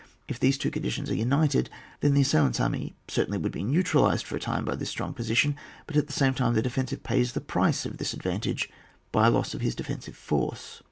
If these two conditions are united then the assailant's army certainly would be neu tralised for a time by this strong position, but at the same time, the defensive pays the price of this advantage by a loss of his defensive force.